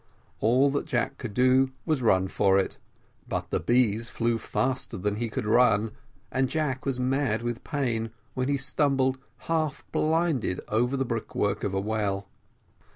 All that Jack could do was to run for it, but the bees flew faster than he could run, and Jack was mad with pain, when he stumbled, half blinded, over the brickwork of a well.